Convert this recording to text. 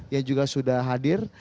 yang juga sudah hadir